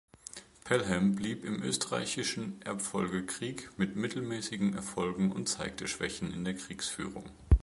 Pelham blieb im Österreichischen Erbfolgekrieg mit mittelmäßigen Erfolgen und zeigte Schwächen in der Kriegsführung.